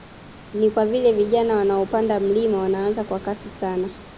Ni kwa vile vijana wanaopanda mlima wanaanza kwa kasi sana